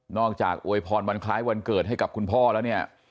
จากอวยพรวันคล้ายวันเกิดให้กับคุณพ่อแล้วเนี่ย